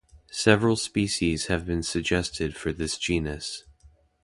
Several species have been suggested for this genus.